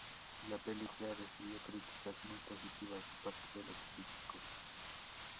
La película recibió críticas muy positivas de parte de los críticos.